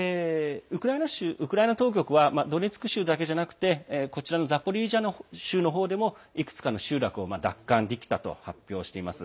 ウクライナ当局はドネツク州だけではなくてザポリージャ州の方でもいくつかの集落を奪還できたと発表しています。